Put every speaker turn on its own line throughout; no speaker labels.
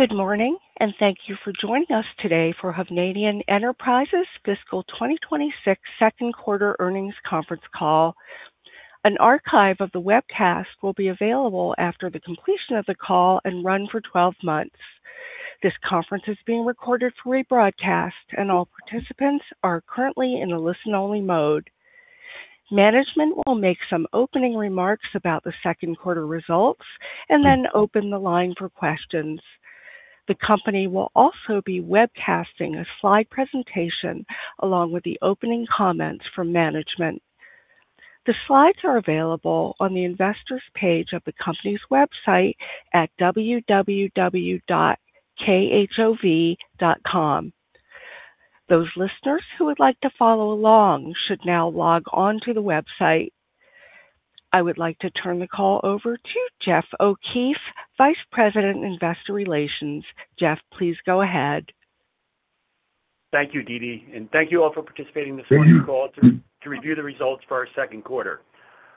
Good morning, and thank you for joining us today for Hovnanian Enterprises fiscal 2026 second quarter earnings conference call. An archive of the webcast will be available after the completion of the call and run for 12 months. This conference is being recorded for rebroadcast, and all participants are currently in a listen-only mode. Management will make some opening remarks about the second quarter results and then open the line for questions. The company will also be webcasting a slide presentation along with the opening comments from management. The slides are available on the investors page of the company's website at www.khov.com. Those listeners who would like to follow along should now log on to the website. I would like to turn the call over to Jeff O'Keefe, Vice President, Investor Relations. Jeff, please go ahead.
Thank you, Dee Dee, and thank you all for participating this morning call to review the results for our second quarter.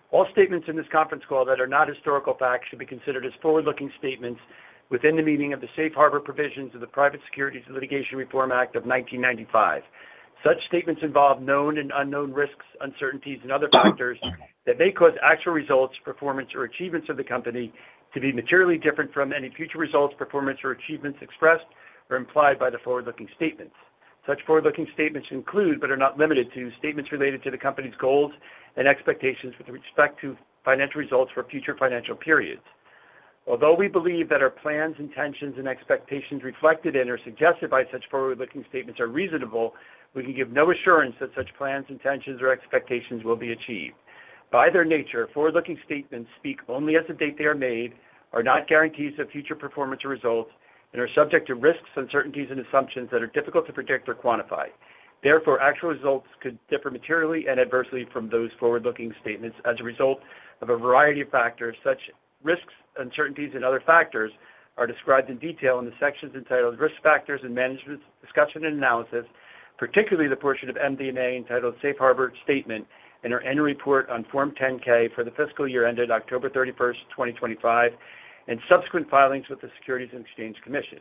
All statements in this conference call that are not historical facts should be considered as forward-looking statements within the meaning of the Safe Harbor Provisions of the Private Securities Litigation Reform Act of 1995. Such statements involve known and unknown risks, uncertainties, and other factors that may cause actual results, performance, or achievements of the company to be materially different from any future results, performance, or achievements expressed or implied by the forward-looking statements. Such forward-looking statements include, but are not limited to, statements related to the company's goals and expectations with respect to financial results for future financial periods. Although we believe that our plans, intentions, and expectations reflected in or suggested by such forward-looking statements are reasonable, we can give no assurance that such plans, intentions, or expectations will be achieved. By their nature, forward-looking statements speak only as the date they are made, are not guarantees of future performance or results, and are subject to risks, uncertainties, and assumptions that are difficult to predict or quantify. Therefore, actual results could differ materially and adversely from those forward-looking statements as a result of a variety of factors, such risks, uncertainties, and other factors are described in detail in the sections entitled Risk Factors and Management's Discussion and Analysis, particularly the portion of MD&A entitled Safe Harbor Statement in our annual report on Form 10-K for the fiscal year ended October 31, 2025, and subsequent filings with the Securities and Exchange Commission.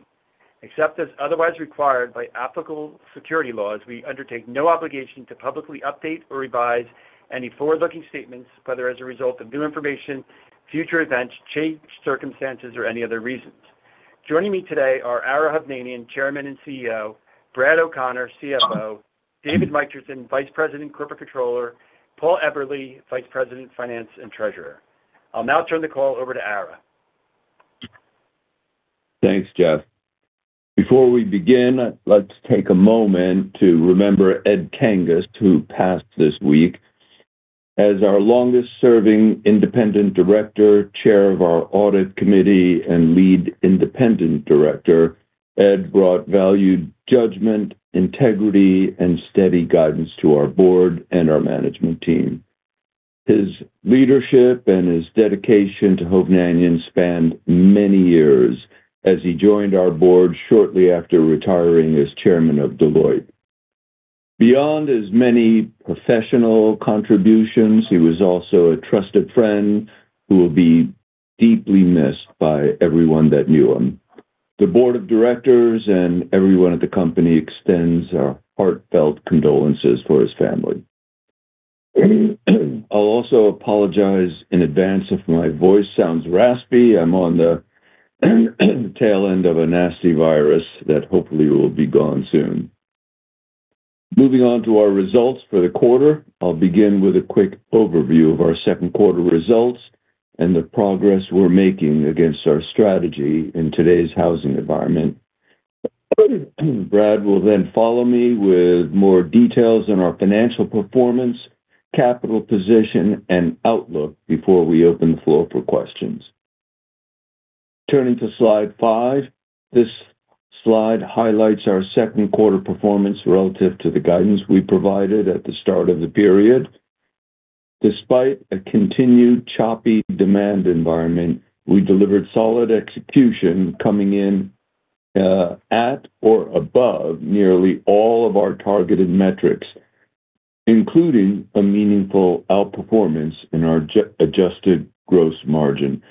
Except as otherwise required by applicable security laws, we undertake no obligation to publicly update or revise any forward-looking statements, whether as a result of new information, future events, changed circumstances, or any other reasons. Joining me today are Ara Hovnanian, Chairman and CEO, Brad O'Connor, CFO, David Mitrisin, Vice President and Corporate Controller, Paul Eberly, Vice President of Finance and Treasurer. I'll now turn the call over to Ara.
Thanks, Jeff. Before we begin, let's take a moment to remember Ed Kangas, who passed this week. As our longest-serving independent director, chair of our audit committee, and lead independent director, Ed brought valued judgment, integrity, and steady guidance to our board and our management team. His leadership and his dedication to Hovnanian spanned many years as he joined our board shortly after retiring as Chairman of Deloitte. Beyond his many professional contributions, he was also a trusted friend who will be deeply missed by everyone that knew him. The board of directors and everyone at the company extends our heartfelt condolences for his family. I'll also apologize in advance if my voice sounds raspy. I'm on the tail end of a nasty virus that hopefully will be gone soon. Moving on to our results for the quarter. I'll begin with a quick overview of our second quarter results and the progress we're making against our strategy in today's housing environment. Brad will follow me with more details on our financial performance, capital position, and outlook before we open the floor for questions. Turning to slide five. This slide highlights our second quarter performance relative to the guidance we provided at the start of the period. Despite a continued choppy demand environment, we delivered solid execution coming in at or above nearly all of our targeted metrics, including a meaningful outperformance in our adjusted gross margin.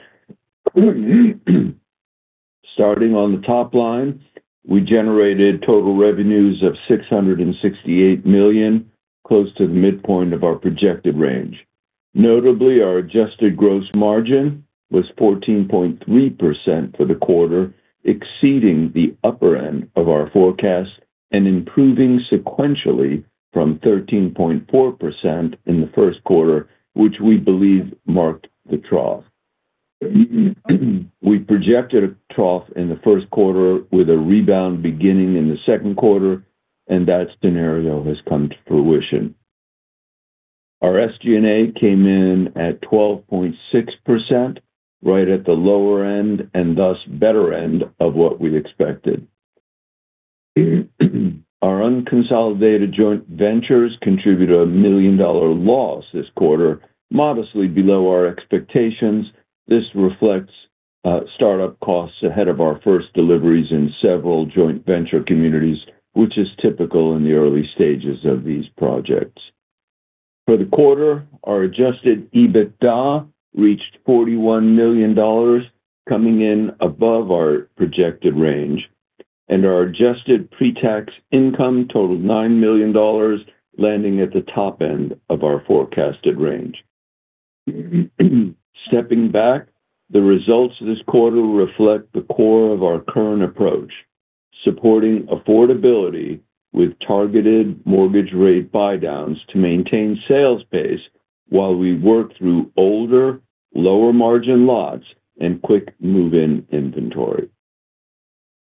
Starting on the top line, we generated total revenues of $668 million, close to the midpoint of our projected range. Notably, our adjusted gross margin was 14.3% for the quarter, exceeding the upper end of our forecast and improving sequentially from 13.4% in the first quarter, which we believe marked the trough. We projected a trough in the first quarter with a rebound beginning in the second quarter, and that scenario has come to fruition. Our SG&A came in at 12.6%, right at the lower end, and thus better end of what we expected. Our unconsolidated joint ventures contributed a $1 million loss this quarter, modestly below our expectations. This reflects startup costs ahead of our first deliveries in several joint venture communities, which is typical in the early stages of these projects. For the quarter, our adjusted EBITDA reached $41 million, coming in above our projected range, and our adjusted pre-tax income totaled $9 million, landing at the top end of our forecasted range. Stepping back, the results this quarter reflect the core of our current approach, supporting affordability with targeted mortgage rate buydowns to maintain sales pace while we work through older, lower margin lots and quick move-in inventory.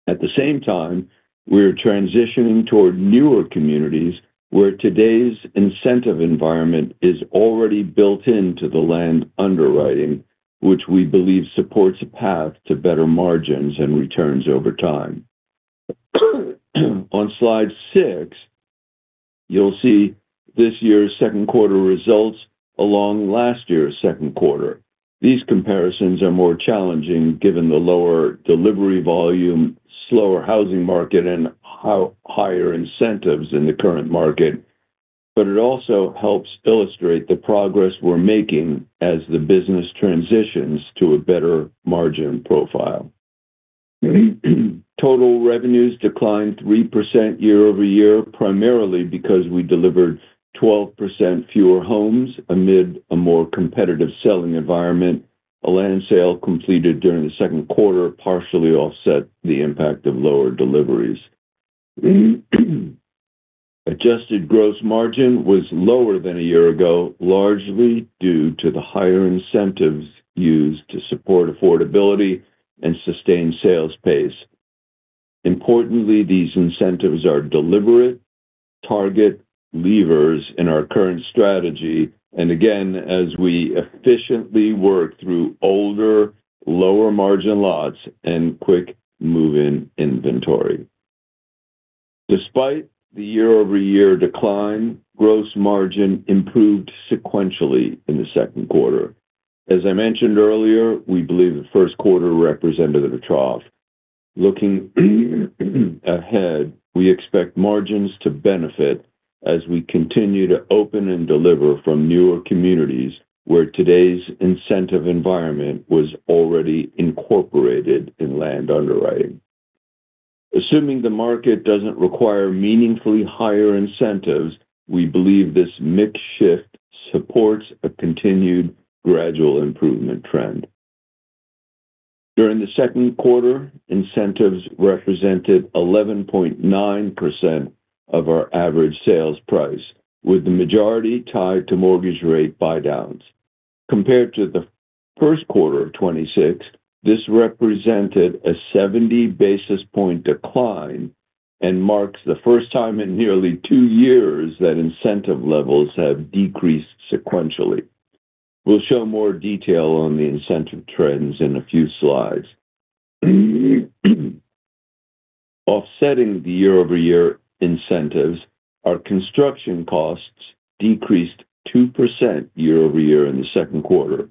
At the same time, we're transitioning toward newer communities where today's incentive environment is already built into the land underwriting, which we believe supports a path to better margins and returns over time. On slide six, you'll see this year's second quarter results along last year's second quarter. These comparisons are more challenging given the lower delivery volume, slower housing market, and higher incentives in the current market. It also helps illustrate the progress we're making as the business transitions to a better margin profile. Total revenues declined 3% year-over-year, primarily because we delivered 12% fewer homes amid a more competitive selling environment. A land sale completed during the second quarter partially offset the impact of lower deliveries. Adjusted gross margin was lower than a year ago, largely due to the higher incentives used to support affordability and sustain sales pace. Importantly, these incentives are deliberate target levers in our current strategy, and again, as we efficiently work through older, lower margin lots and quick move-in inventory. Despite the year-over-year decline, gross margin improved sequentially in the second quarter. As I mentioned earlier, we believe the first quarter represented a trough. Looking ahead, we expect margins to benefit as we continue to open and deliver from newer communities where today's incentive environment was already incorporated in land underwriting. Assuming the market doesn't require meaningfully higher incentives, we believe this mix shift supports a continued gradual improvement trend. During the second quarter, incentives represented 11.9% of our average sales price, with the majority tied to mortgage rate buydowns. Compared to the first quarter of 2026, this represented a 70 basis point decline and marks the first time in nearly two years that incentive levels have decreased sequentially. We'll show more detail on the incentive trends in a few slides. Offsetting the year-over-year incentives, our construction costs decreased 2% year-over-year in the second quarter.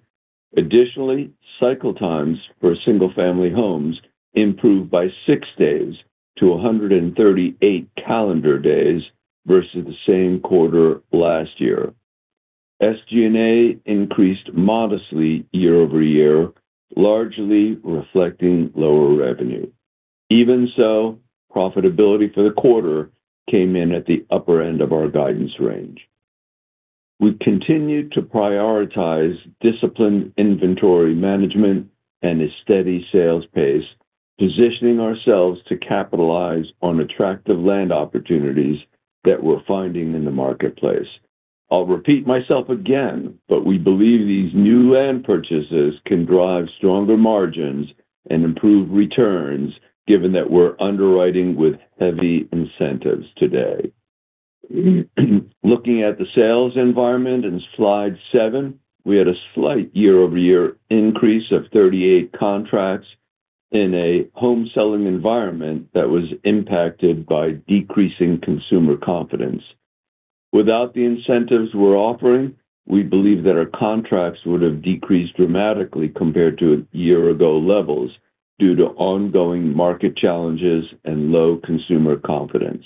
Additionally, cycle times for single-family homes improved by six days to 138 calendar days versus the same quarter last year. SG&A increased modestly year-over-year, largely reflecting lower revenue. Even so, profitability for the quarter came in at the upper end of our guidance range. We've continued to prioritize disciplined inventory management and a steady sales pace, positioning ourselves to capitalize on attractive land opportunities that we're finding in the marketplace. I'll repeat myself again, but we believe these new land purchases can drive stronger margins and improve returns, given that we're underwriting with heavy incentives today. Looking at the sales environment in slide seven, we had a slight year-over-year increase of 38 contracts in a home-selling environment that was impacted by decreasing consumer confidence. Without the incentives we're offering, we believe that our contracts would have decreased dramatically compared to year-ago levels due to ongoing market challenges and low consumer confidence.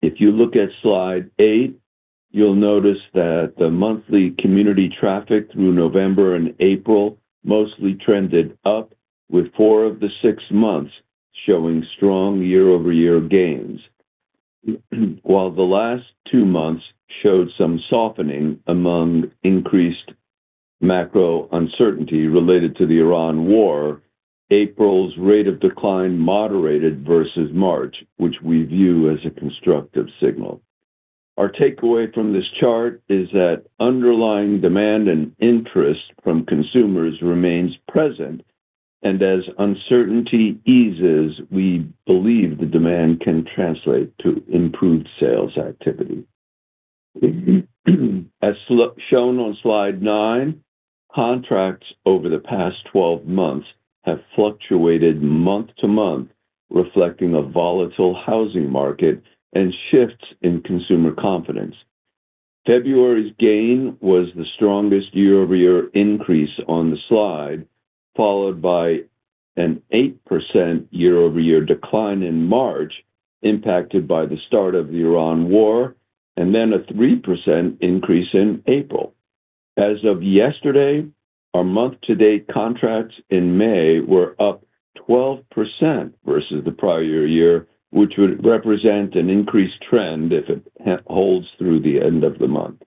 If you look at slide eight, you'll notice that the monthly community traffic through November and April mostly trended up with four of the six months showing strong year-over-year gains. While the last two months showed some softening among increased macro uncertainty related to the Iran war, April's rate of decline moderated versus March, which we view as a constructive signal. Our takeaway from this chart is that underlying demand and interest from consumers remains present, and as uncertainty eases, we believe the demand can translate to improved sales activity. As shown on slide nine, contracts over the past 12 months have fluctuated month-to-month, reflecting a volatile housing market and shifts in consumer confidence. February's gain was the strongest year-over-year increase on the slide, followed by an 8% year-over-year decline in March, impacted by the start of the Iran war, and then a 3% increase in April. As of yesterday, our month-to-date contracts in May were up 12% versus the prior year, which would represent an increased trend if it holds through the end of the month.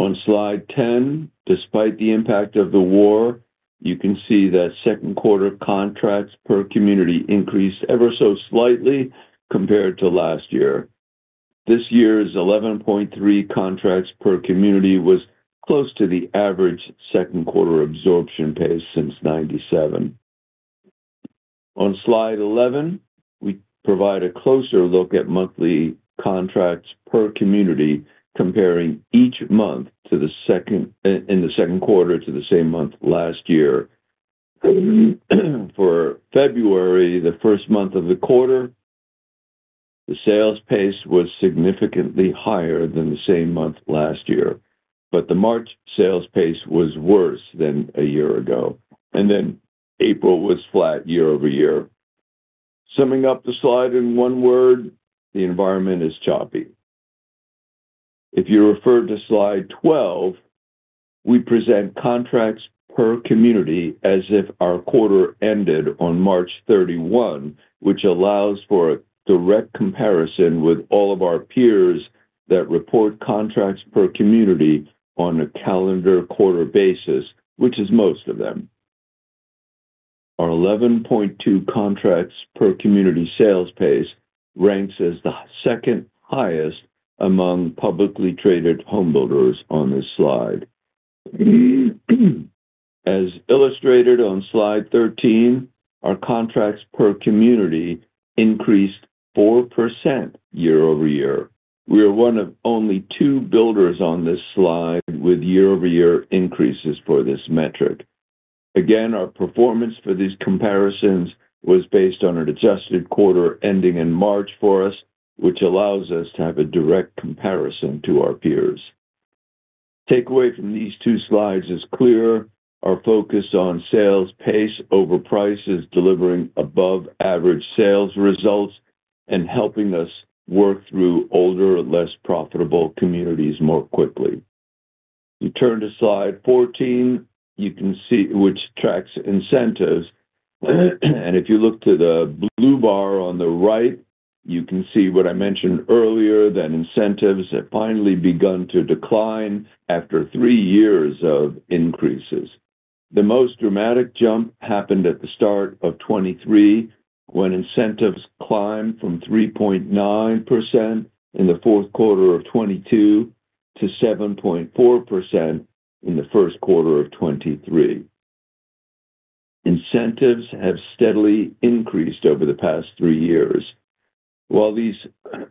On slide 10, despite the impact of the war, you can see that second quarter contracts per community increased ever so slightly compared to last year. This year's 11.3 contracts per community was close to the average second quarter absorption pace since 1997. On slide 11, we provide a closer look at monthly contracts per community, comparing each month in the second quarter to the same month last year. For February, the first month of the quarter, the sales pace was significantly higher than the same month last year. The March sales pace was worse than a year ago. April was flat year-over-year. Summing up the slide in one word, the environment is choppy. If you refer to slide 12, we present contracts per community as if our quarter ended on March 31, which allows for a direct comparison with all of our peers that report contracts per community on a calendar quarter basis, which is most of them. Our 11.2 contracts per community sales pace ranks as the second highest among publicly traded home builders on this slide. As illustrated on Slide 13, our contracts per community increased 4% year-over-year. We are one of only two builders on this slide with year-over-year increases for this metric. Again, our performance for these comparisons was based on an adjusted quarter ending in March for us, which allows us to have a direct comparison to our peers. Takeaway from these two slides is clear. Our focus on sales pace over price is delivering above-average sales results and helping us work through older, less profitable communities more quickly. You turn to Slide 14, which tracks incentives, and if you look to the blue bar on the right, you can see what I mentioned earlier, that incentives have finally begun to decline after three years of increases. The most dramatic jump happened at the start of 2023, when incentives climbed from 3.9% in the fourth quarter of 2022 to 7.4% in the first quarter of 2023. Incentives have steadily increased over the past three years. While these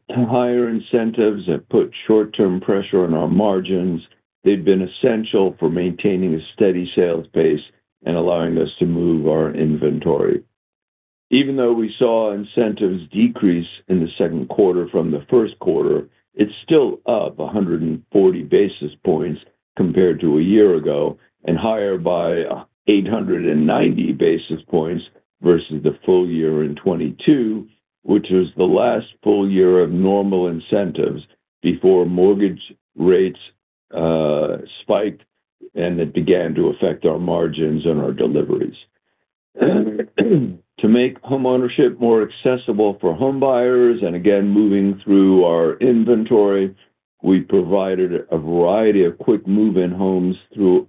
higher incentives have put short-term pressure on our margins, they've been essential for maintaining a steady sales pace and allowing us to move our inventory. Even though we saw incentives decrease in the second quarter from the first quarter, it's still up 140 basis points compared to a year ago, and higher by 890 basis points versus the full year in 2022, which was the last full year of normal incentives before mortgage rates spiked, and it began to affect our margins and our deliveries. To make homeownership more accessible for homebuyers, and again, moving through our inventory, we provided a variety of quick move-in homes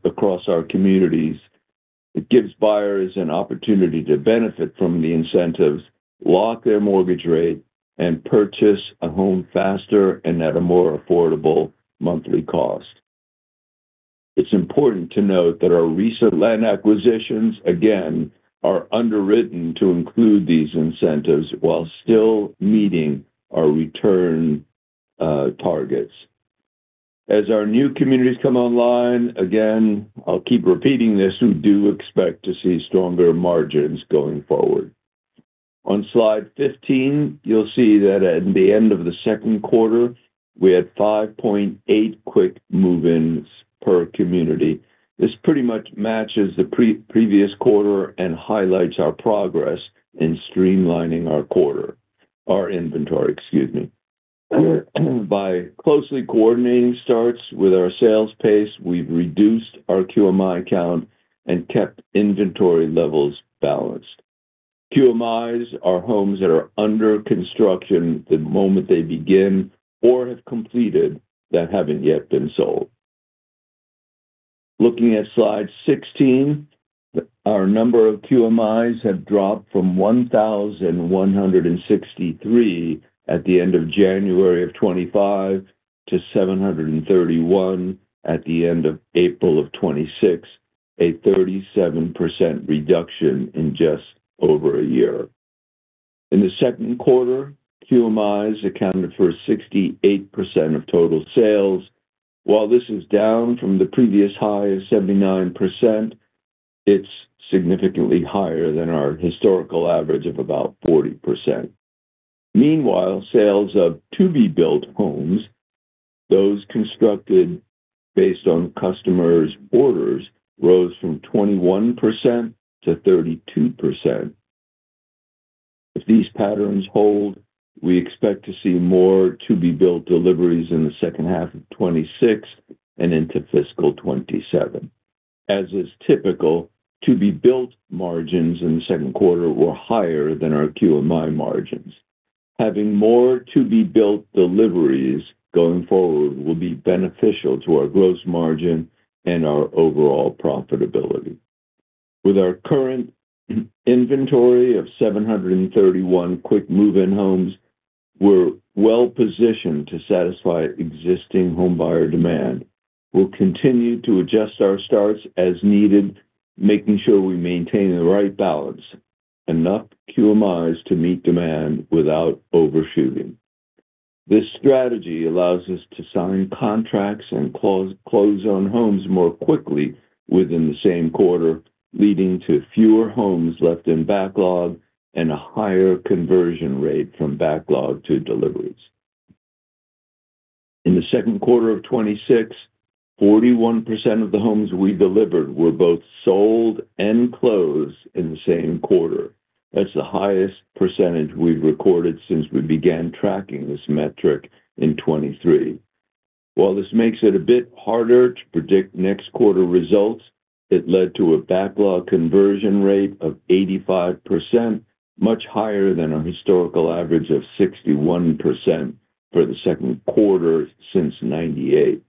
across our communities. It gives buyers an opportunity to benefit from the incentives, lock their mortgage rate, and purchase a home faster and at a more affordable monthly cost. It is important to note that our recent land acquisitions, again, are underwritten to include these incentives while still meeting our return targets. As our new communities come online, again, I will keep repeating this, we do expect to see stronger margins going forward. On slide 15, you will see that at the end of the second quarter, we had 5.8 quick move-ins per community. This pretty much matches the previous quarter and highlights our progress in streamlining our inventory. By closely coordinating starts with our sales pace, we have reduced our QMI count and kept inventory levels balanced. QMIs are homes that are under construction the moment they begin or have completed that have not yet been sold. Looking at slide 16, our number of QMIs have dropped from 1,163 at the end of January of 2025 to 731 at the end of April of 2026, a 37% reduction in just over a year. In the second quarter, QMIs accounted for 68% of total sales. While this is down from the previous high of 79%, it is significantly higher than our historical average of about 40%. Meanwhile, sales of to-be-built homes, those constructed based on customers' orders, rose from 21%-32%. If these patterns hold, we expect to see more to-be-built deliveries in the second half of 2026 and into fiscal 2027. As is typical, to-be-built margins in the second quarter were higher than our QMI margins. Having more to-be-built deliveries going forward will be beneficial to our gross margin and our overall profitability. With our current inventory of 731 quick move-in homes, we're well-positioned to satisfy existing homebuyer demand. We'll continue to adjust our starts as needed, making sure we maintain the right balance, enough QMIs to meet demand without overshooting. This strategy allows us to sign contracts and close on homes more quickly within the same quarter, leading to fewer homes left in backlog and a higher conversion rate from backlog to deliveries. In the second quarter of 2026, 41% of the homes we delivered were both sold and closed in the same quarter. That's the highest percentage we've recorded since we began tracking this metric in 2023. While this makes it a bit harder to predict next quarter results, it led to a backlog conversion rate of 85%, much higher than our historical average of 61% for the second quarter since 1998.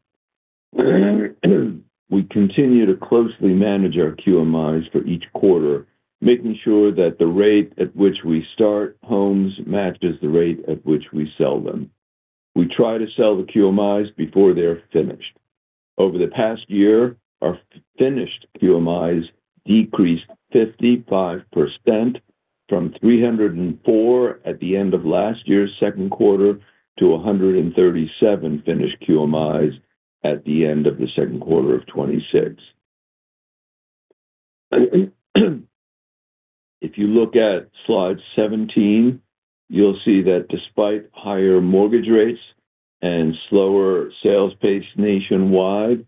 We continue to closely manage our QMIs for each quarter, making sure that the rate at which we start homes matches the rate at which we sell them. We try to sell the QMIs before they're finished. Over the past year, our finished QMIs decreased 55%, from 304 at the end of last year's second quarter to 137 finished QMIs at the end of the second quarter of 2026. If you look at slide 17, you'll see that despite higher mortgage rates and slower sales pace nationwide,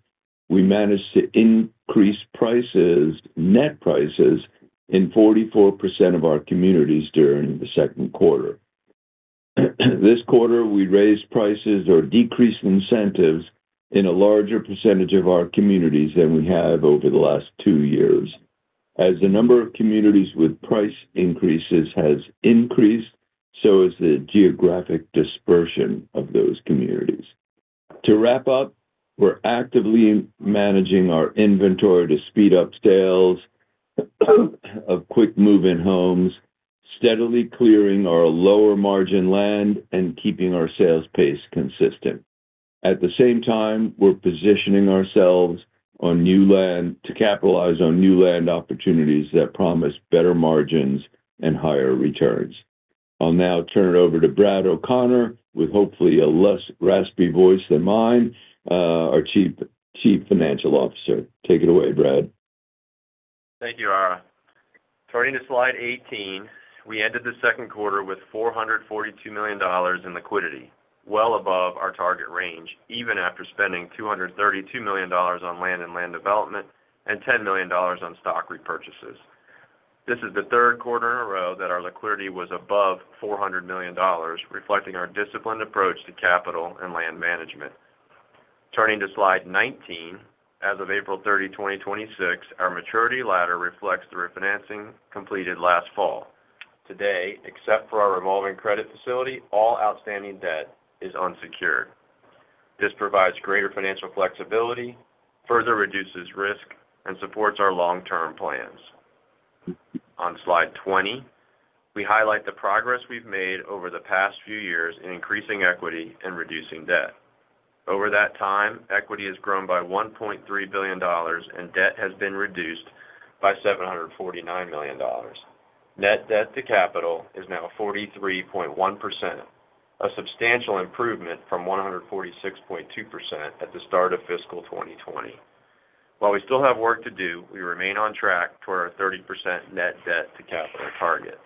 we managed to increase net prices in 44% of our communities during the second quarter. This quarter, we raised prices or decreased incentives in a larger percentage of our communities than we have over the last two years. As the number of communities with price increases has increased, so has the geographic dispersion of those communities. To wrap up, we're actively managing our inventory to speed up sales of quick move-in homes, steadily clearing our lower margin land, and keeping our sales pace consistent. At the same time, we're positioning ourselves to capitalize on new land opportunities that promise better margins and higher returns. I'll now turn it over to Brad O'Connor, with hopefully a less raspy voice than mine, our Chief Financial Officer. Take it away, Brad.
Thank you, Ara. Turning to slide 18, we ended the second quarter with $442 million in liquidity, well above our target range, even after spending $232 million on land and land development and $10 million on stock repurchases. This is the third quarter in a row that our liquidity was above $400 million, reflecting our disciplined approach to capital and land management. Turning to slide 19, as of April 30, 2026, our maturity ladder reflects the refinancing completed last fall. Today, except for our revolving credit facility, all outstanding debt is unsecured. This provides greater financial flexibility, further reduces risk, and supports our long-term plans. On slide 20, we highlight the progress we've made over the past few years in increasing equity and reducing debt. Over that time, equity has grown by $1.3 billion and debt has been reduced by $749 million. Net debt to capital is now 43.1%, a substantial improvement from 146.2% at the start of fiscal 2020. While we still have work to do, we remain on track toward our 30% net debt to capital target.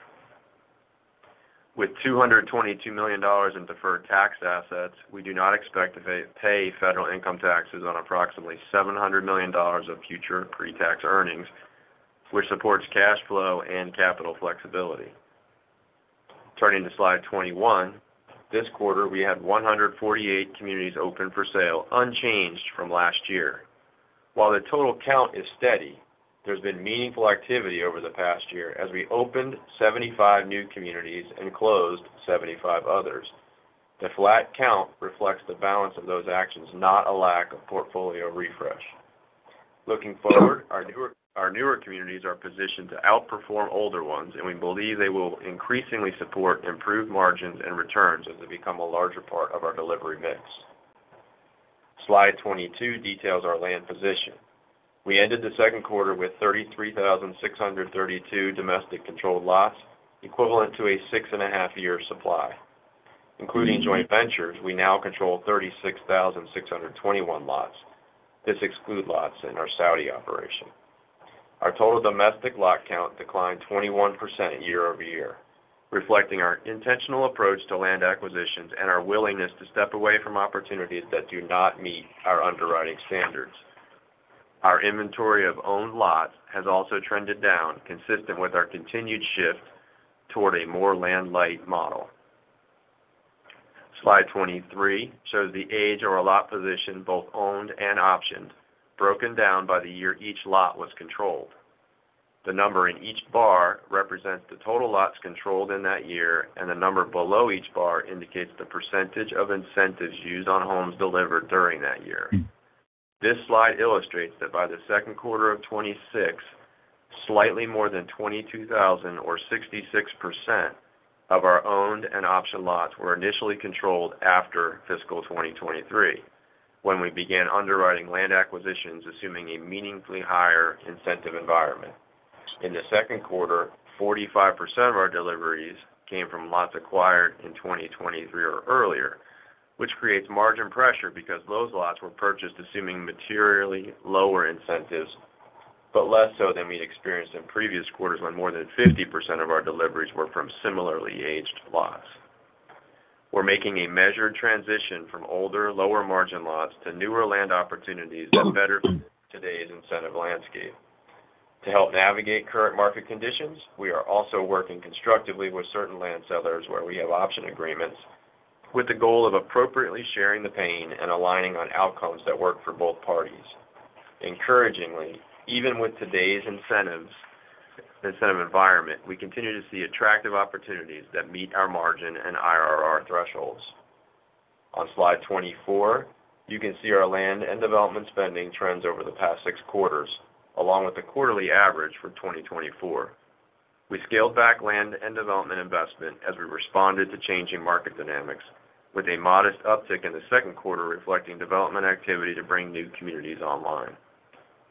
With $222 million in deferred tax assets, we do not expect to pay federal income taxes on approximately $700 million of future pre-tax earnings, which supports cash flow and capital flexibility. Turning to slide 21. This quarter, we had 148 communities open for sale, unchanged from last year. While the total count is steady, there's been meaningful activity over the past year as we opened 75 new communities and closed 75 others. The flat count reflects the balance of those actions, not a lack of portfolio refresh. Looking forward, our newer communities are positioned to outperform older ones, and we believe they will increasingly support improved margins and returns as they become a larger part of our delivery mix. Slide 22 details our land position. We ended the second quarter with 33,632 domestic controlled lots, equivalent to a six and a half year supply. Including joint ventures, we now control 36,621 lots. This excludes lots in our Saudi operation. Our total domestic lot count declined 21% year-over-year, reflecting our intentional approach to land acquisitions and our willingness to step away from opportunities that do not meet our underwriting standards. Our inventory of owned lots has also trended down, consistent with our continued shift toward a more land-light model. Slide 23 shows the age of our lot position, both owned and optioned, broken down by the year each lot was controlled. The number in each bar represents the total lots controlled in that year, and the number below each bar indicates the percentage of incentives used on homes delivered during that year. This slide illustrates that by the second quarter of 2026, slightly more than 22,000 or 66% of our owned and optioned lots were initially controlled after fiscal 2023, when we began underwriting land acquisitions assuming a meaningfully higher incentive environment. In the second quarter, 45% of our deliveries came from lots acquired in 2023 or earlier, which creates margin pressure because those lots were purchased assuming materially lower incentives, but less so than we'd experienced in previous quarters when more than 50% of our deliveries were from similarly aged lots. We're making a measured transition from older, lower margin lots to newer land opportunities that better fit today's incentive landscape. To help navigate current market conditions, we are also working constructively with certain land sellers where we have option agreements, with the goal of appropriately sharing the pain and aligning on outcomes that work for both parties. Encouragingly, even with today's incentive environment, we continue to see attractive opportunities that meet our margin and IRR thresholds. On slide 24, you can see our land and development spending trends over the past six quarters, along with the quarterly average for 2024. We scaled back land and development investment as we responded to changing market dynamics with a modest uptick in the second quarter, reflecting development activity to bring new communities online.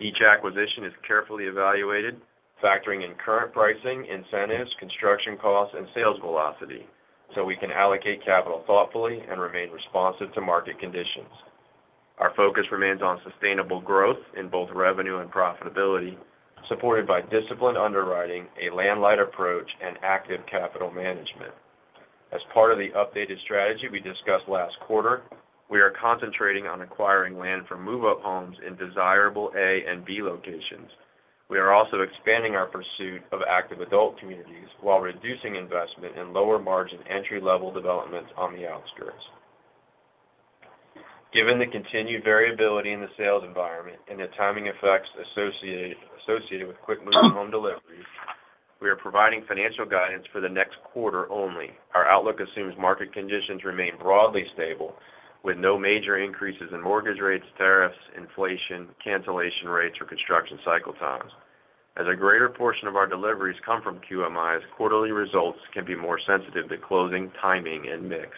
Each acquisition is carefully evaluated, factoring in current pricing, incentives, construction costs, and sales velocity, so we can allocate capital thoughtfully and remain responsive to market conditions. Our focus remains on sustainable growth in both revenue and profitability, supported by disciplined underwriting, a land light approach, and active capital management. As part of the updated strategy we discussed last quarter, we are concentrating on acquiring land for move-up homes in desirable A and B locations. We are also expanding our pursuit of active adult communities while reducing investment in lower-margin entry-level developments on the outskirts. Given the continued variability in the sales environment and the timing effects associated with quick move-up home deliveries, we are providing financial guidance for the next quarter only. Our outlook assumes market conditions remain broadly stable, with no major increases in mortgage rates, tariffs, inflation, cancellation rates, or construction cycle times. As a greater portion of our deliveries come from QMIs, quarterly results can be more sensitive to closing timing and mix.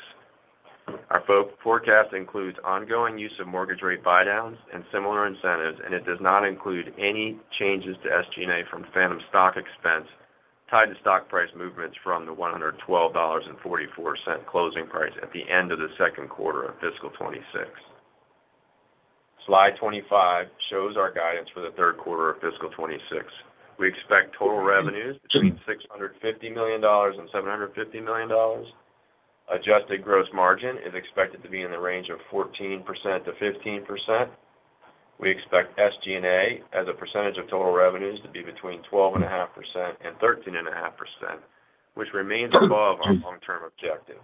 Our forecast includes ongoing use of mortgage rate buydowns and similar incentives, and it does not include any changes to SG&A from phantom stock expense tied to stock price movements from the $112.44 closing price at the end of the second quarter of fiscal 2026. Slide 25 shows our guidance for the third quarter of fiscal 2026. We expect total revenues between $650 million and $750 million. Adjusted gross margin is expected to be in the range of 14%-15%. We expect SG&A as a percentage of total revenues to be between 12.5% and 13.5%, which remains above our long-term objective.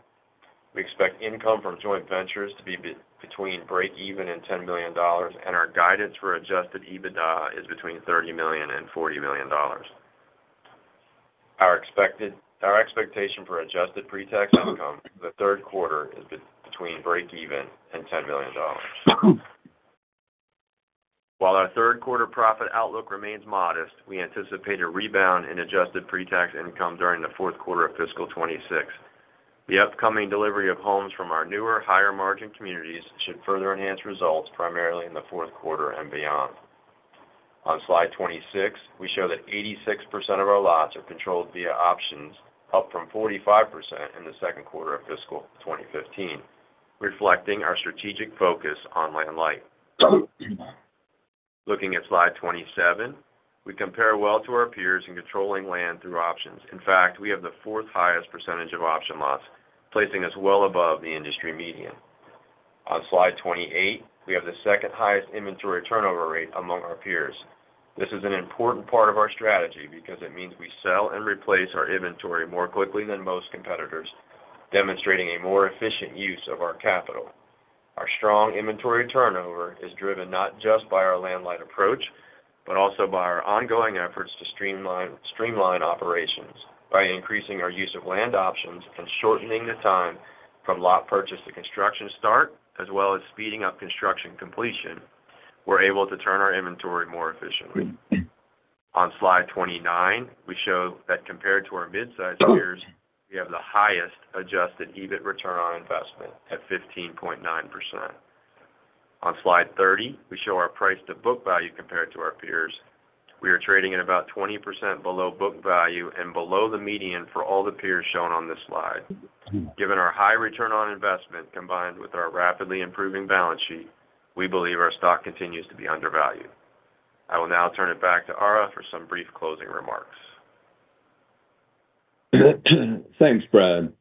We expect income from joint ventures to be between break even and $10 million, and our guidance for adjusted EBITDA is between $30 million and $40 million. Our expectation for adjusted pre-tax income the third quarter is between break even and $10 million. While our third quarter profit outlook remains modest, we anticipate a rebound in adjusted pre-tax income during the fourth quarter of fiscal 2026. The upcoming delivery of homes from our newer, higher margin communities should further enhance results primarily in the fourth quarter and beyond. On slide 26, we show that 86% of our lots are controlled via options, up from 45% in the second quarter of fiscal 2015, reflecting our strategic focus on land light. Looking at slide 27, we compare well to our peers in controlling land through options. In fact, we have the fourth highest percentage of option lots, placing us well above the industry median. On slide 28, we have the second highest inventory turnover rate among our peers. This is an important part of our strategy because it means we sell and replace our inventory more quickly than most competitors, demonstrating a more efficient use of our capital. Our strong inventory turnover is driven not just by our land light approach, but also by our ongoing efforts to streamline operations by increasing our use of land options and shortening the time from lot purchase to construction start, as well as speeding up construction completion, we're able to turn our inventory more efficiently. On slide 29, we show that compared to our midsize peers, we have the highest adjusted EBIT return on investment at 15.9%. On slide 30, we show our price to book value compared to our peers. We are trading at about 20% below book value and below the median for all the peers shown on this slide. Given our high return on investment, combined with our rapidly improving balance sheet, we believe our stock continues to be undervalued. I will now turn it back to Ara for some brief closing remarks.
Thanks, Brad.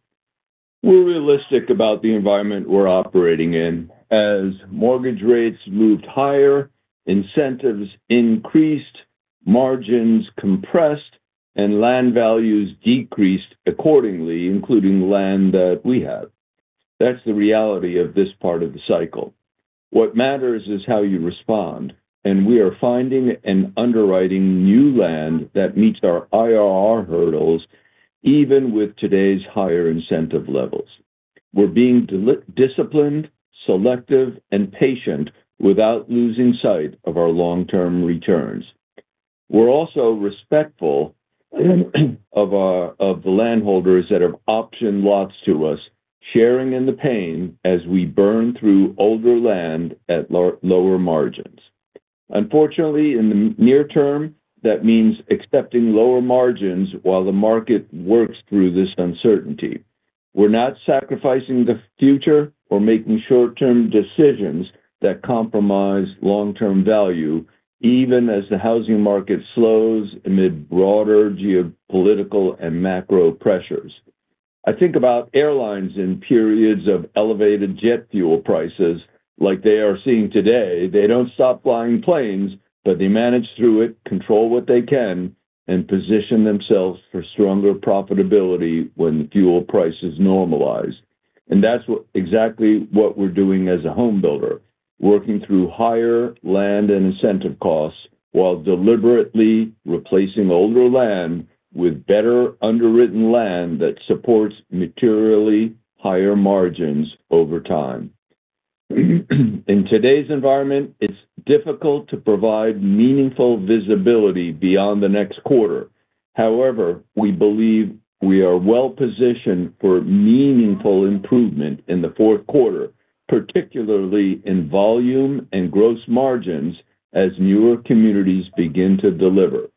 We're realistic about the environment we're operating in. As mortgage rates moved higher, incentives increased, margins compressed, and land values decreased accordingly, including land that we have. That's the reality of this part of the cycle. What matters is how you respond, and we are finding and underwriting new land that meets our IRR hurdles, even with today's higher incentive levels. We're being disciplined, selective, and patient without losing sight of our long-term returns. We're also respectful of the landholders that have optioned lots to us, sharing in the pain as we burn through older land at lower margins. Unfortunately, in the near term, that means accepting lower margins while the market works through this uncertainty. We're not sacrificing the future or making short-term decisions that compromise long-term value, even as the housing market slows amid broader geopolitical and macro pressures. I think about airlines in periods of elevated jet fuel prices like they are seeing today. They don't stop flying planes, but they manage through it, control what they can, and position themselves for stronger profitability when fuel prices normalize. That's exactly what we're doing as a home builder, working through higher land and incentive costs while deliberately replacing older land with better underwritten land that supports materially higher margins over time. In today's environment, it's difficult to provide meaningful visibility beyond the next quarter. However, we believe we are well-positioned for meaningful improvement in the fourth quarter, particularly in volume and gross margins as newer communities begin to deliver.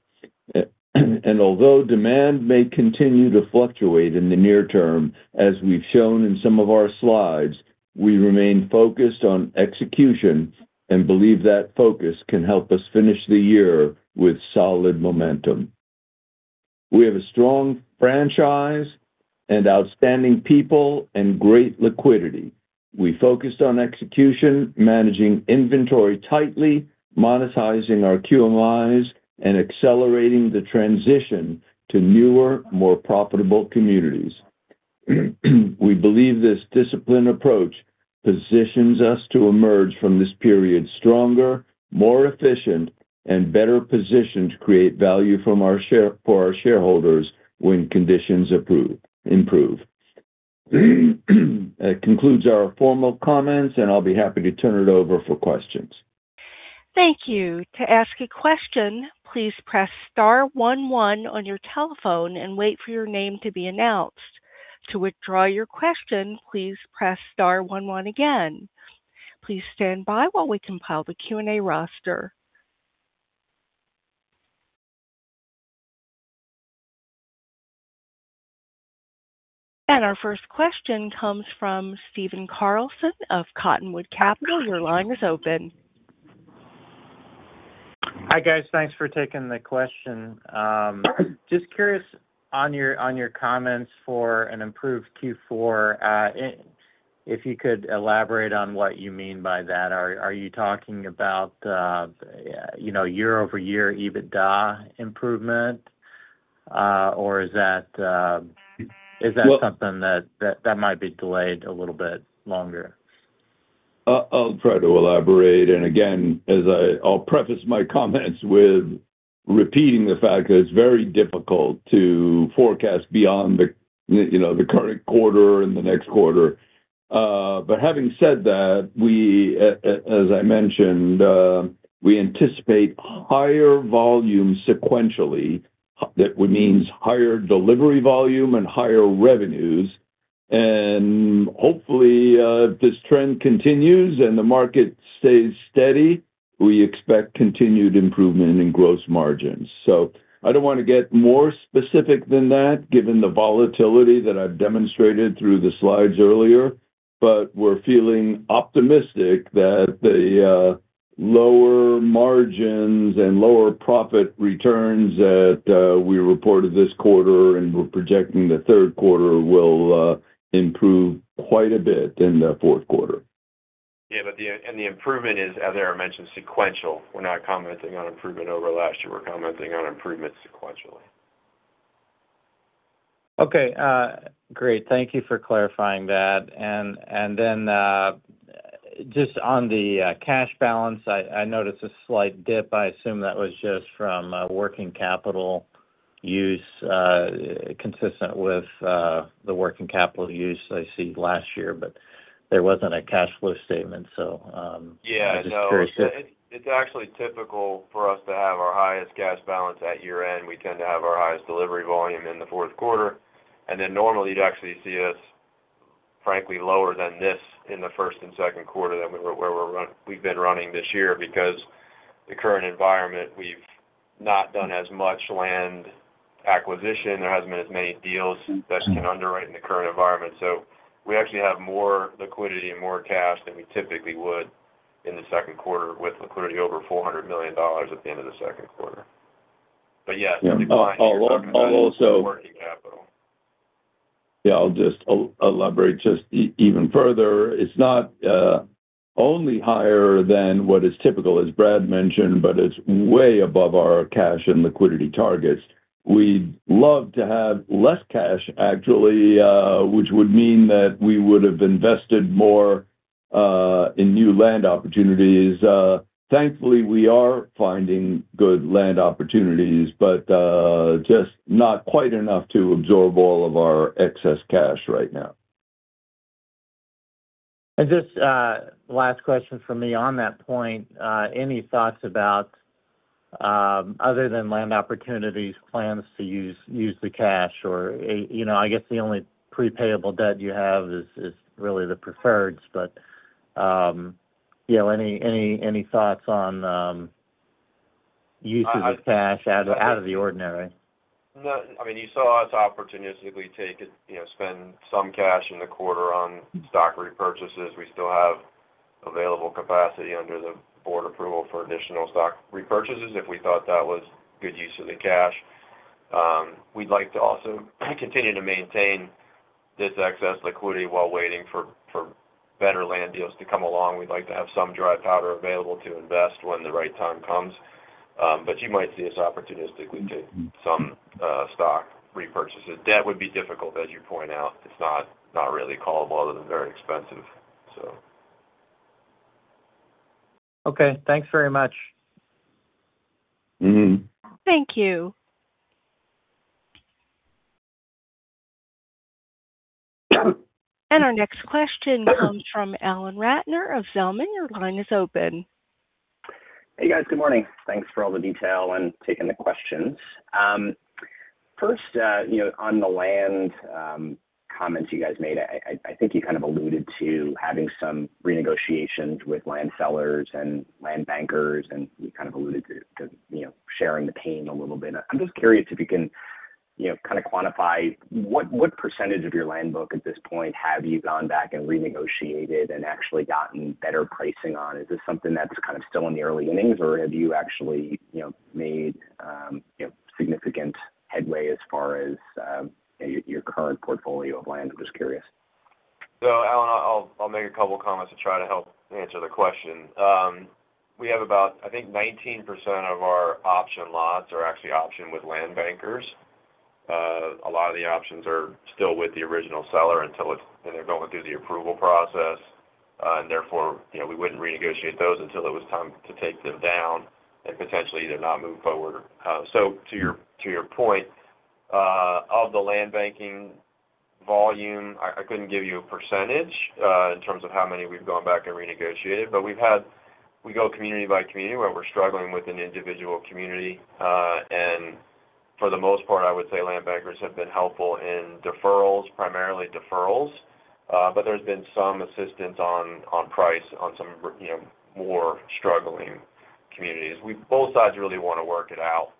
Although demand may continue to fluctuate in the near term, as we've shown in some of our slides, we remain focused on execution and believe that focus can help us finish the year with solid momentum. We have a strong franchise and outstanding people and great liquidity. We focused on execution, managing inventory tightly, monetizing our QMIs, and accelerating the transition to newer, more profitable communities. We believe this disciplined approach positions us to emerge from this period stronger, more efficient, and better positioned to create value for our shareholders when conditions improve. That concludes our formal comments, and I'll be happy to turn it over for questions.
Thank you to ask a question please press star one one on your telephone and wait for your name to be announced. To withdraw your questions, please press star one one again. Please stand by while we compile the Q&A roster. Our first question comes from Stephen Carlson of Cottonwood Capital. Your line is open.
Hi, guys. Thanks for taking the question. Just curious on your comments for an improved Q4, if you could elaborate on what you mean by that. Are you talking about year-over-year EBITDA improvement? Or is that something that might be delayed a little bit longer?
I'll try to elaborate, and again, I'll preface my comments with repeating the fact that it's very difficult to forecast beyond the current quarter and the next quarter. Having said that, as I mentioned, we anticipate higher volume sequentially. That means higher delivery volume and higher revenues, and hopefully, if this trend continues and the market stays steady, we expect continued improvement in gross margins. I don't want to get more specific than that given the volatility that I've demonstrated through the slides earlier, but we're feeling optimistic that the lower margins and lower profit returns that we reported this quarter and we're projecting the third quarter will improve quite a bit in the fourth quarter.
Yeah, the improvement is, as Ara mentioned, sequential. We're not commenting on improvement over last year. We're commenting on improvement sequentially.
Okay, great. Thank you for clarifying that. Just on the cash balance, I noticed a slight dip. I assume that was just from working capital use, consistent with the working capital use I see last year, but there wasn't a cash flow statement, so I'm just curious if.
Yeah, no. It's actually typical for us to have our highest cash balance at year-end. We tend to have our highest delivery volume in the fourth quarter. Normally, you'd actually see us, frankly, lower than this in the first and second quarter than where we've been running this year because the current environment, we've not done as much land acquisition. There hasn't been as many deals that you can underwrite in the current environment. We actually have more liquidity and more cash than we typically would. In the second quarter, with liquidity over $400 million at the end of the second quarter. Yes.
Yeah.
Working capital.
Yeah, I'll just elaborate just even further. It's not only higher than what is typical, as Brad mentioned, but it's way above our cash and liquidity targets. We'd love to have less cash, actually, which would mean that we would've invested more in new land opportunities. Thankfully, we are finding good land opportunities, but just not quite enough to absorb all of our excess cash right now.
Just a last question from me on that point. Any thoughts about, other than land opportunities, plans to use the cash or, I guess the only pre-payable debt you have is really the preferreds. Any thoughts on uses of cash out of the ordinary?
No, you saw us opportunistically take it, spend some cash in the quarter on stock repurchases. We still have available capacity under the board approval for additional stock repurchases if we thought that was good use of the cash. We'd like to also continue to maintain this excess liquidity while waiting for better land deals to come along. We'd like to have some dry powder available to invest when the right time comes. You might see us opportunistically take some stock repurchases. Debt would be difficult, as you point out. It's not really callable other than very expensive.
Okay, thanks very much.
Thank you. Our next question comes from Alan Ratner of Zelman. Your line is open.
Hey, guys. Good morning. Thanks for all the detail and taking the questions. First, on the land comments you guys made, I think you kind of alluded to having some renegotiations with land sellers and land bankers, and you kind of alluded to sharing the pain a little bit. I'm just curious if you can kind of quantify what percentage of your land book at this point have you gone back and renegotiated and actually gotten better pricing on? Is this something that's kind of still in the early innings, or have you actually made significant headway as far as your current portfolio of land? I'm just curious.
Alan, I'll make a couple comments to try to help answer the question. We have about, I think 19% of our option lots are actually optioned with land bankers. A lot of the options are still with the original seller and they're going through the approval process. Therefore, we wouldn't renegotiate those until it was time to take them down and potentially either not move forward. To your point, of the land banking volume, I couldn't give you a percentage in terms of how many we've gone back and renegotiated, but we go community by community where we're struggling with an individual community. For the most part, I would say land bankers have been helpful in deferrals, primarily deferrals. There's been some assistance on price on some more struggling communities. Both sides really want to work it out,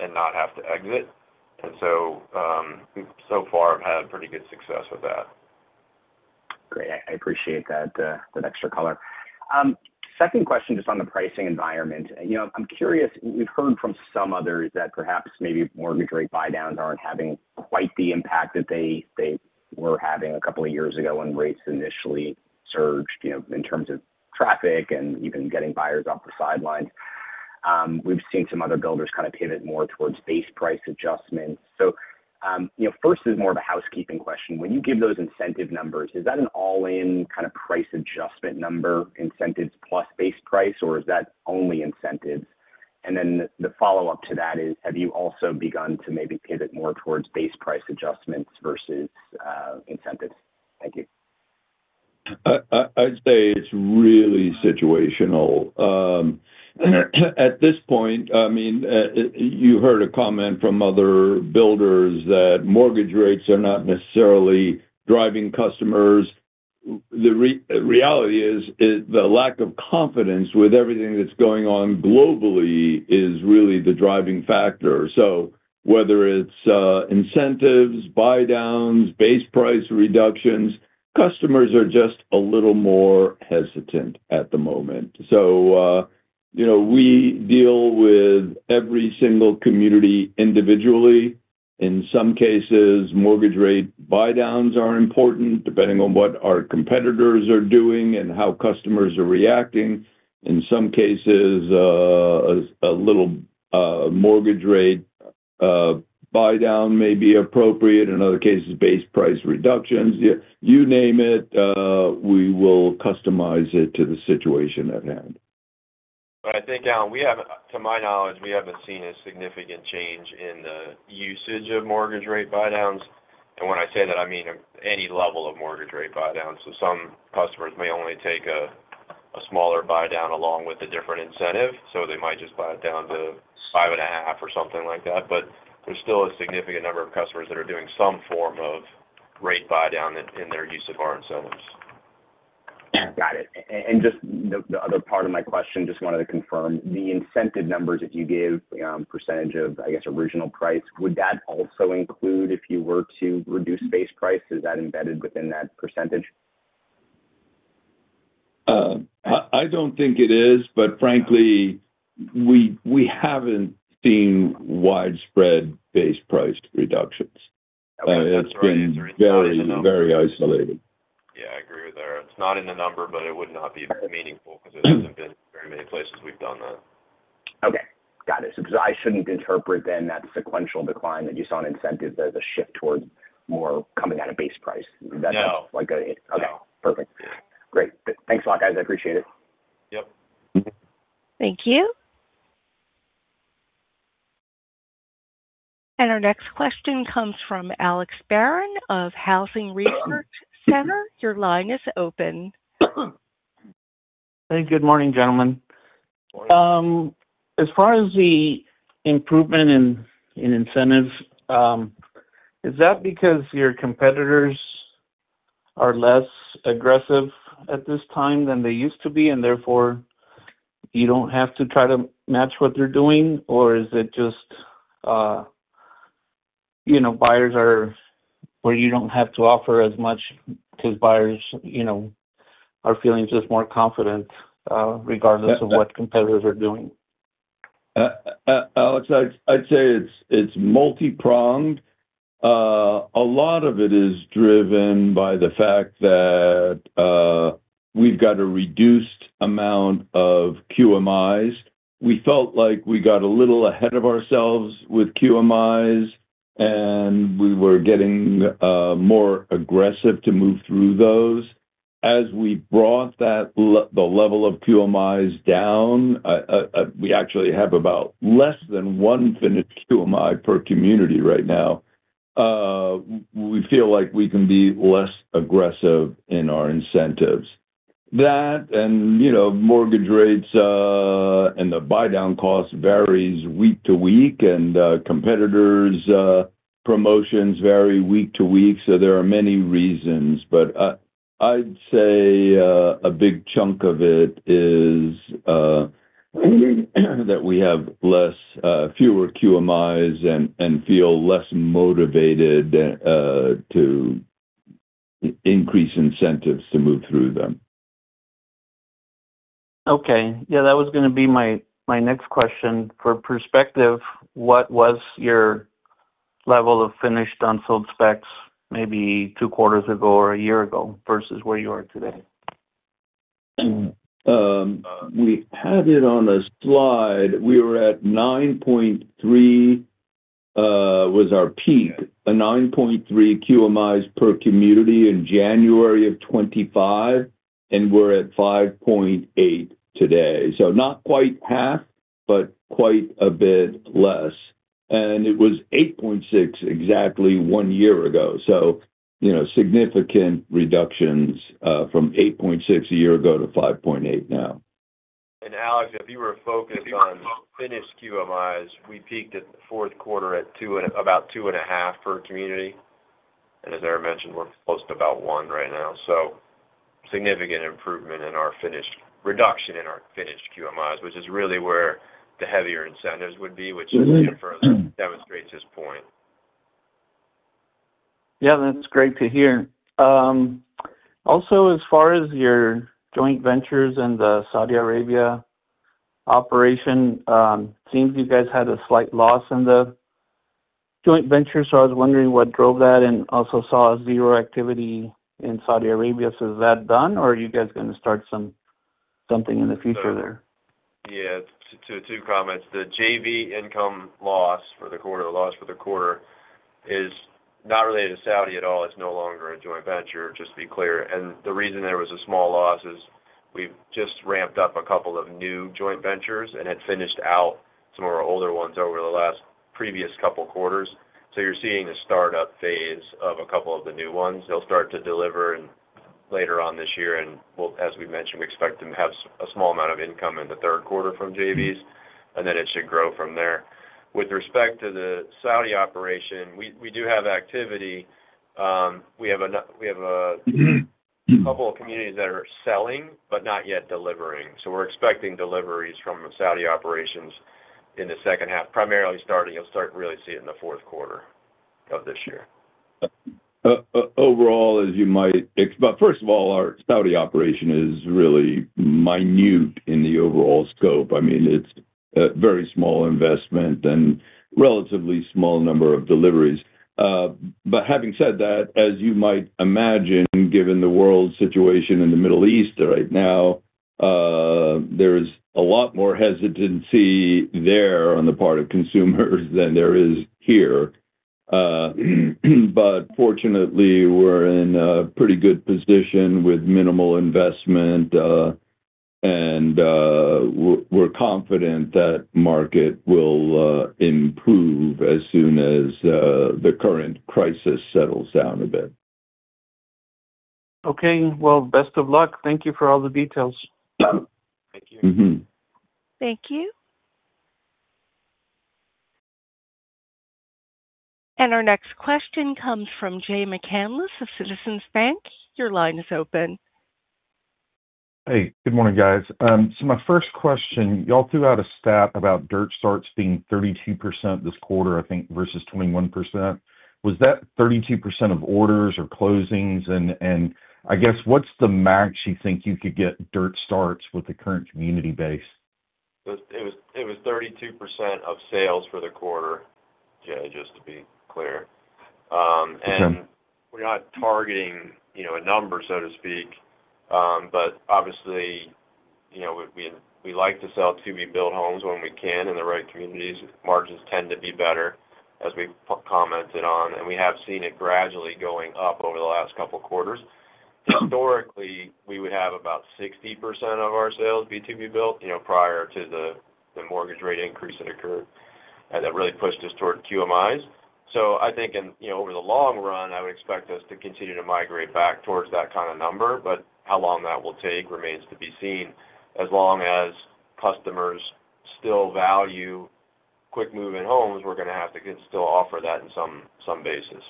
and not have to exit. We so far have had pretty good success with that.
Great. I appreciate that, the extra color. Second question, just on the pricing environment. I'm curious, we've heard from some others that perhaps maybe mortgage rate buydowns aren't having quite the impact that they were having a couple of years ago when rates initially surged, in terms of traffic and even getting buyers off the sidelines. We've seen some other builders kind of pivot more towards base price adjustments. First is more of a housekeeping question. When you give those incentive numbers, is that an all-in kind of price adjustment number, incentives plus base price, or is that only incentives? The follow-up to that is, have you also begun to maybe pivot more towards base price adjustments versus incentives? Thank you.
I'd say it's really situational. At this point, you heard a comment from other builders that mortgage rates are not necessarily driving customers. The reality is, the lack of confidence with everything that's going on globally is really the driving factor. Whether it's incentives, buydowns, base price reductions, customers are just a little more hesitant at the moment. We deal with every single community individually. In some cases, mortgage rate buydowns are important, depending on what our competitors are doing and how customers are reacting. In some cases, a little mortgage rate buydown may be appropriate. In other cases, base price reductions. You name it, we will customize it to the situation at hand.
I think, Alan, to my knowledge, we haven't seen a significant change in the usage of mortgage rate buydowns. When I say that, I mean any level of mortgage rate buydowns. Some customers may only take a smaller buydown along with a different incentive, so they might just buy it down to 5.5 or something like that. There's still a significant number of customers that are doing some form of rate buydown in their use of our incentives.
Got it. Just the other part of my question, just wanted to confirm. The incentive numbers that you give, percentage of, I guess, original price, would that also include if you were to reduce base price? Is that embedded within that percentage?
I don't think it is, but frankly, we haven't seen widespread base price reductions.
That's right.
It's been very isolated.
Yeah, I agree with Ara. It's not in the number, but it would not be very meaningful because it hasn't been very many places we've done that.
Okay. Got it. Because I shouldn't interpret then that sequential decline that you saw in incentive as a shift towards more coming out of base price. Is that correct?
No.
Okay. Perfect. Great. Thanks a lot, guys. I appreciate it.
Yep.
Thank you. Our next question comes from Alex Barron of Housing Research Center. Your line is open.
Hey, good morning, gentlemen.
Morning.
As far as the improvement in incentives, is that because your competitors are less aggressive at this time than they used to be, and therefore you don't have to try to match what they're doing? Is it just buyers are where you don't have to offer as much because buyers are feeling just more confident regardless of what competitors are doing?
Alex, I'd say it's multipronged. A lot of it is driven by the fact that we've got a reduced amount of QMIs. We felt like we got a little ahead of ourselves with QMIs, and we were getting more aggressive to move through those. As we brought the level of QMIs down, we actually have about less than one finished QMI per community right now. We feel like we can be less aggressive in our incentives. That and mortgage rates, and the buydown cost varies week to week and competitors' promotions vary week to week. There are many reasons, but I'd say a big chunk of it is that we have fewer QMIs and feel less motivated to increase incentives to move through them.
Okay. Yeah, that was going to be my next question. For perspective, what was your level of finished unsold specs maybe two quarters ago or a year ago versus where you are today?
We had it on a slide. We were at 9.3 was our peak, 9.3 QMIs per community in January of 2025, and we're at 5.8 today. Not quite half, but quite a bit less. It was 8.6 exactly one year ago. Significant reductions, from 8.6 a year ago to 5.8 now.
Alex, if you were focused on finished QMIs, we peaked at the fourth quarter at about 2.5 per community. As Ara mentioned, we're close to about one right now. Significant improvement in our reduction in our finished QMIs, which is really where the heavier incentives would be. Which I think further demonstrates this point.
Yeah, that's great to hear. As far as your joint ventures and the Saudi Arabia operation, seems you guys had a slight loss in the joint venture, so I was wondering what drove that, and also saw zero activity in Saudi Arabia. Is that done or are you guys going to start something in the future there?
Yeah. Two comments. The JV income loss for the quarter is not related to Saudi at all. It's no longer a joint venture, just to be clear. The reason there was a small loss is we've just ramped up a couple of new joint ventures and had finished out some of our older ones over the last previous couple quarters. You're seeing a startup phase of a couple of the new ones. They'll start to deliver later on this year, and as we mentioned, we expect to have a small amount of income in the third quarter from JVs, and then it should grow from there. With respect to the Saudi operation, we do have activity. We have a couple of communities that are selling but not yet delivering. We're expecting deliveries from Saudi operations in the second half, primarily you'll start really seeing in the fourth quarter of this year.
First of all, our Saudi operation is really minute in the overall scope. It's a very small investment and relatively small number of deliveries. Having said that, as you might imagine, given the world situation in the Middle East right now, there's a lot more hesitancy there on the part of consumers than there is here. Fortunately, we're in a pretty good position with minimal investment, and we're confident that market will improve as soon as the current crisis settles down a bit.
Okay. Well, best of luck. Thank you for all the details.
Thank you.
Thank you. Our next question comes from Jay McCanless of Citizens Bank. Your line is open.
Hey, good morning, guys. My first question, you all threw out a stat about dirt starts being 32% this quarter, I think, versus 21%. Was that 32% of orders or closings? I guess what's the max you think you could get dirt starts with the current community base?
It was 32% of sales for the quarter, Jay, just to be clear.
Okay.
We're not targeting a number, so to speak. Obviously, we like to sell to-be-built homes when we can in the right communities. Margins tend to be better, as we've commented on, and we have seen it gradually going up over the last couple of quarters. Historically, we would have about 60% of our sales be to-be-built, prior to the mortgage rate increase that occurred, and that really pushed us toward QMIs. I think in, over the long run, I would expect us to continue to migrate back towards that kind of number, but how long that will take remains to be seen. As long as customers still value quick move-in homes, we're going to have to still offer that in some basis.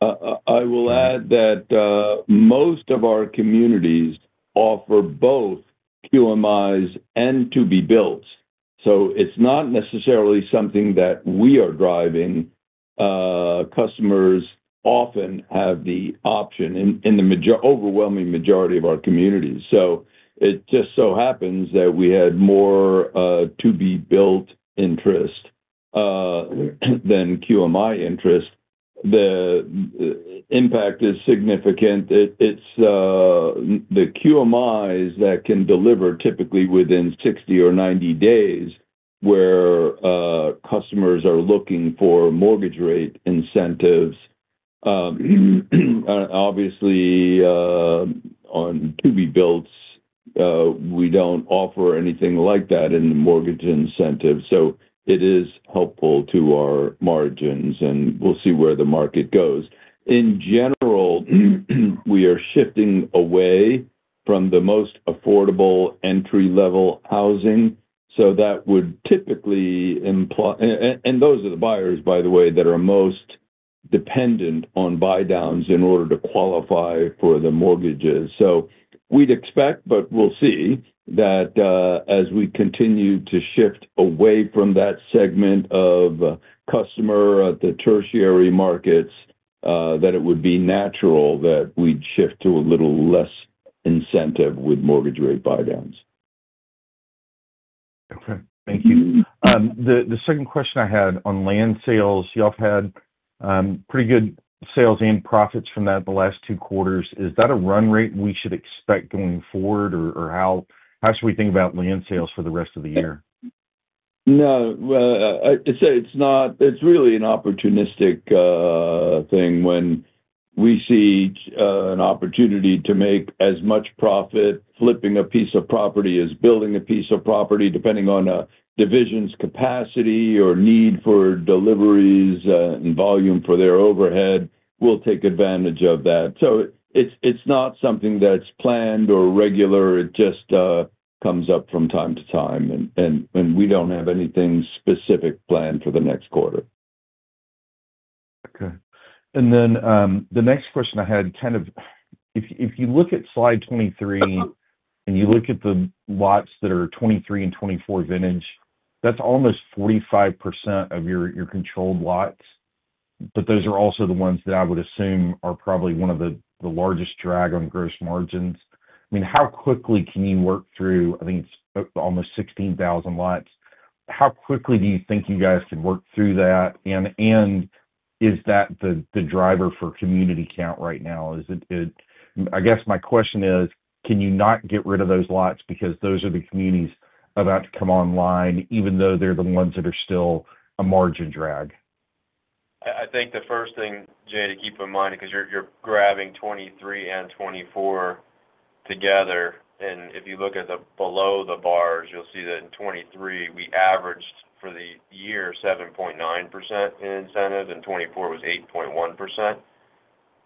I will add that most of our communities offer both QMIs and to-be-builts. It's not necessarily something that we are driving. Customers often have the option in the overwhelming majority of our communities. It just so happens that we had more to-be-built interest than QMI interest. The impact is significant. It's the QMIs that can deliver typically within 60 or 90 days, where customers are looking for mortgage rate incentives. Obviously, on to-be-builts, we don't offer anything like that in the mortgage incentive. It is helpful to our margins, and we'll see where the market goes. In general, we are shifting away from the most affordable entry-level housing. That would typically imply, and those are the buyers, by the way, that are most dependent on buydowns in order to qualify for the mortgages. We'd expect, but we'll see that as we continue to shift away from that segment of customer at the tertiary markets, that it would be natural that we'd shift to a little less incentive with mortgage rate buydowns.
Okay. Thank you. The second question I had on land sales, you all have had pretty good sales and profits from that the last two quarters. Is that a run rate we should expect going forward, or how should we think about land sales for the rest of the year?
No. It's really an opportunistic thing when we see an opportunity to make as much profit flipping a piece of property as building a piece of property, depending on a division's capacity or need for deliveries and volume for their overhead, we'll take advantage of that. It's not something that's planned or regular. It just comes up from time to time, and we don't have anything specific planned for the next quarter.
Okay. The next question I had, if you look at slide 23, and you look at the lots that are 2023 and 2024 vintage, that's almost 45% of your controlled lots. Those are also the ones that I would assume are probably one of the largest drag on gross margins. How quickly can you work through, I think it's almost 16,000 lots? How quickly do you think you guys can work through that? Is that the driver for community count right now? I guess my question is, can you not get rid of those lots because those are the communities about to come online, even though they're the ones that are still a margin drag?
I think the first thing, Jay, to keep in mind, because you're grabbing 2023 and 2024 together, and if you look at below the bars, you'll see that in 2023, we averaged for the year 7.9% in incentive, and 2024 was 8.1%.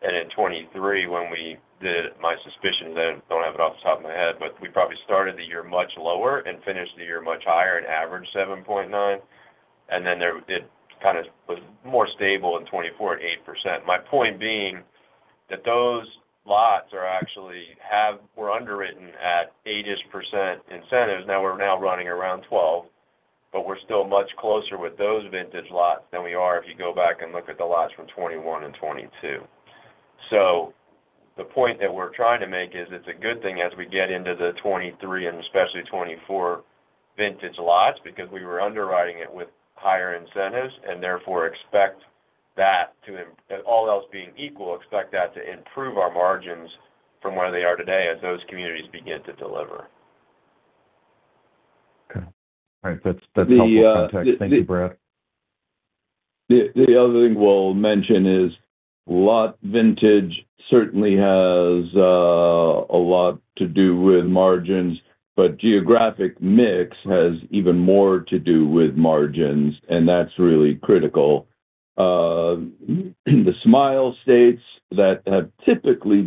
In 2023, when we did it, my suspicion is, I don't have it off the top of my head, but we probably started the year much lower and finished the year much higher and averaged 7.9%. Then it was more stable in 2024 at 8%. My point being that those lots actually were underwritten at 8-ish% incentives. Now we're now running around 12%, but we're still much closer with those vintage lots than we are if you go back and look at the lots from 2021 and 2022. The point that we're trying to make is it's a good thing as we get into the 2023 and especially 2024 vintage lots because we were underwriting it with higher incentives and therefore expect that to, all else being equal, expect that to improve our margins from where they are today as those communities begin to deliver.
Okay. All right. That's helpful context. Thank you, Brad.
The other thing we'll mention is lot vintage certainly has a lot to do with margins, but geographic mix has even more to do with margins, and that's really critical. The smile states that have typically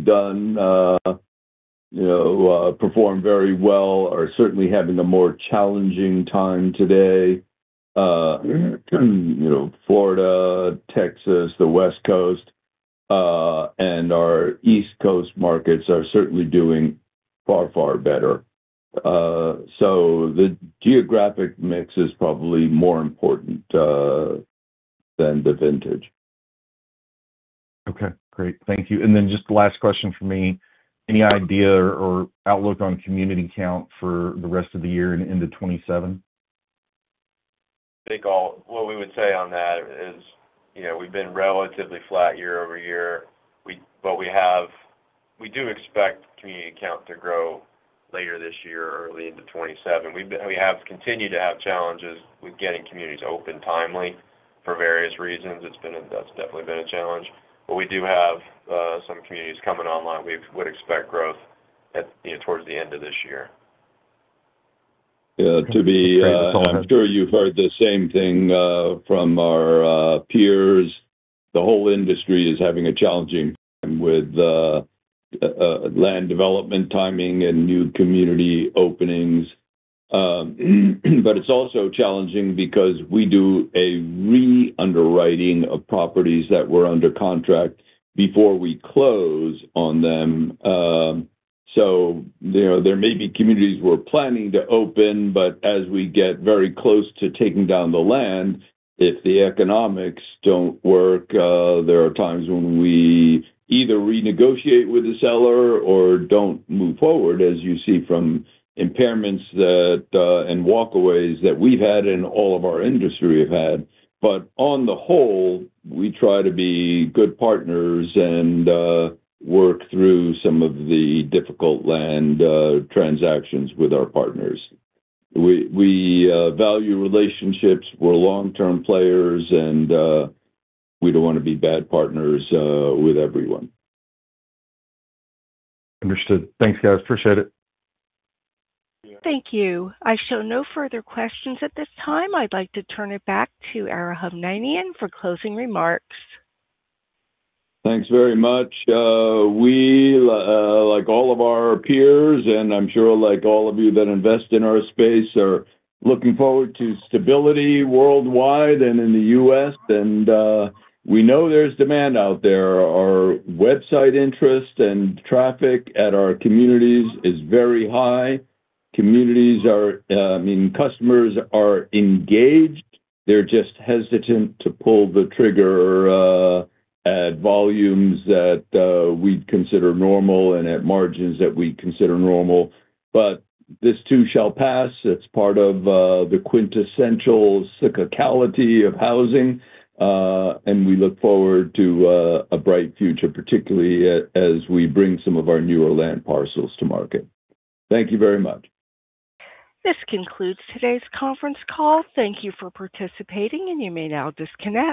performed very well are certainly having a more challenging time today. Florida, Texas, the West Coast, and our East Coast markets are certainly doing far, far better. The geographic mix is probably more important than the vintage.
Okay, great. Thank you. Then just the last question from me, any idea or outlook on community count for the rest of the year and into 2027?
I think what we would say on that is we've been relatively flat year-over-year. We do expect community count to grow later this year or early into 2027. We have continued to have challenges with getting communities open timely for various reasons. That's definitely been a challenge. We do have some communities coming online. We would expect growth towards the end of this year.
Okay. Great.
I'm sure you've heard the same thing from our peers. The whole industry is having a challenging time with land development timing and new community openings. It's also challenging because we do a re-underwriting of properties that were under contract before we close on them. There may be communities we're planning to open, but as we get very close to taking down the land, if the economics don't work, there are times when we either renegotiate with the seller or don't move forward, as you see from impairments and walkaways that we've had and all of our industry have had. On the whole, we try to be good partners and work through some of the difficult land transactions with our partners. We value relationships. We're long-term players, and we don't want to be bad partners with everyone.
Understood. Thanks, guys. Appreciate it.
Yeah.
Thank you. I show no further questions at this time. I'd like to turn it back to Ara Hovnanian for closing remarks.
Thanks very much. We, like all of our peers, and I'm sure like all of you that invest in our space, are looking forward to stability worldwide and in the U.S. We know there's demand out there. Our website interest and traffic at our communities is very high. I mean, customers are engaged. They're just hesitant to pull the trigger at volumes that we'd consider normal and at margins that we'd consider normal. This too shall pass. It's part of the quintessential cyclicality of housing. We look forward to a bright future, particularly as we bring some of our newer land parcels to market. Thank you very much.
This concludes today's conference call. Thank you for participating, and you may now disconnect.